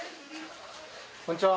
こんにちは。